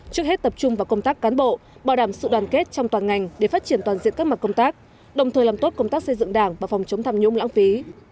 trước hết tập trung vào công tác cán bộ bảo đảm sự đoàn kết trong toàn ngành để phát triển toàn diện các mặt công tác đồng thời làm tốt công tác xây dựng đảng và phòng chống tham nhũng lãng phí